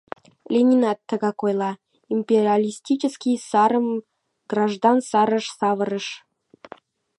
Ленинат тыгак ойла: империалистический сарым граждан сарыш савыраш.